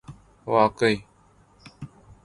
واقعی